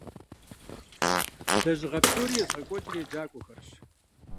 Лэжьыгъэ псори езыгъэкӀуэкӀыр еджакӀуэхэрщ.